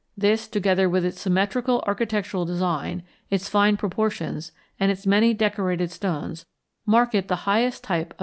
This, together with its symmetrical architectural design, its fine proportions, and its many decorated stones, mark it the highest type of Mesa Verde architecture.